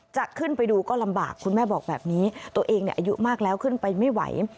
จะขึ้นไปดูก็ลำบากคุณแม่บอกแบบนี้ตัวเองอายุมากแล้วขึ้นไปไม่ไหว